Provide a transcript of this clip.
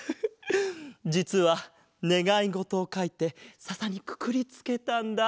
じつはねがいごとをかいてささにくくりつけたんだ。